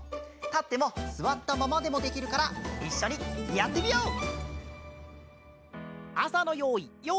たってもすわったままでもできるからいっしょにやってみよう！